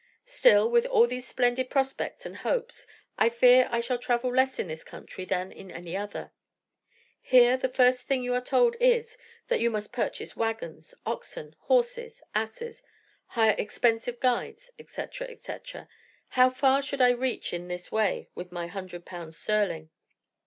Still, with all these splendid prospects and hopes, I fear I shall travel less in this country than in any other. Here, the first thing you are told is, that you must purchase waggons, oxen, horses, asses, hire expensive guides, etc., etc. How far should I reach in this way with my 100 pounds sterling?